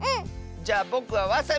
じゃあぼくはわさび！